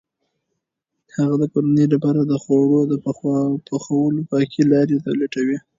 هغه د کورنۍ لپاره د خوړو د پخولو پاکې لارې لټوي.